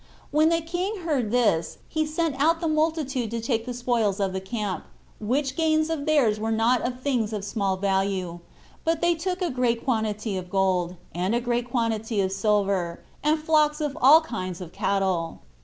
When the king heard this, he sent out the multitude to take the spoils of the camp; which gains of theirs were not of things of small value, but they took a great quantity of gold, and a great quantity of silver, and flocks of all kinds of cattle.